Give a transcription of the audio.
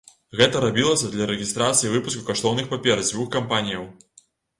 Гэта рабілася для рэгістрацыі і выпуску каштоўных папер дзвюх кампаніяў.